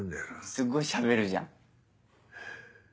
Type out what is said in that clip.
すっごいしゃべるじゃん。